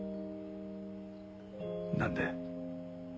何で？